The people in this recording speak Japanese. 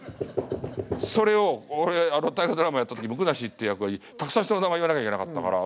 それを俺「大河ドラマ」やった時椋梨っていう役はたくさん人の名前言わなきゃいけなかったから。